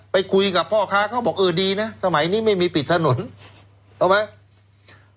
ไปคุยกับพ่อค้าเขาบอกเออดีนะสมัยนี้ไม่มีปิดถนนเอาไหม